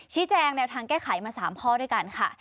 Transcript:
ชี้แจงเนื้อทางแก้ไขมา๓ข้อด้วยกันค่ะ